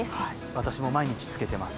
私も毎日つけてます。